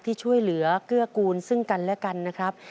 ที่ช่วยเหลือเกื้อกูลซึ่งกันและกันนะครับ